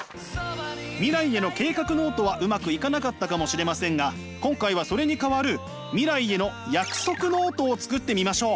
未来への計画ノートはうまくいかなかったかもしれませんが今回はそれに代わる未来への約束ノートを作ってみましょう！